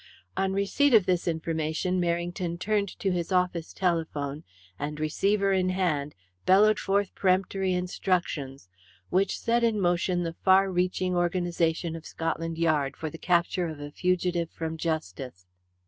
On receipt of this information Merrington turned to his office telephone, and, receiver in hand, bellowed forth peremptory instructions which set in motion the far reaching organization of Scotland Yard for the capture of a fugitive from justice.